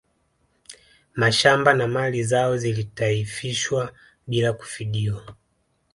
Mashamba na mali zao zilitaifishwa bila kufidiwa